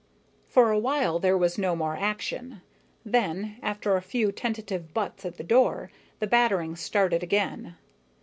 For a while there was no more action. Then, after a few tentative butts at the door, the battering started again.